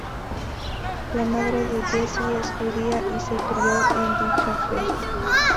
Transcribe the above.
La madre de Jessie es judía y se crio en dicha fe.